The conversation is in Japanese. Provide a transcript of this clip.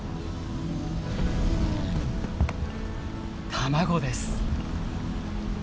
卵です。